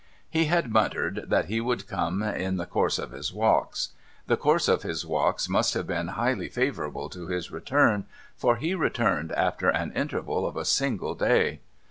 He had muttered that he would come ' in the course of his walks.' The course of his walks must have been highly favourable to his return, for he returned after an interval of a single day.